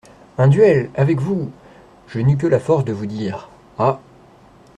Un duel ! avec vous !… je n’eus que la force de vous dire : "Ah !